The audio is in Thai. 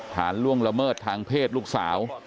ล่วงละเมิดทางเพศลูกสาว